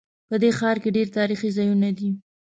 په دې ښار کې ډېر تاریخي ځایونه دي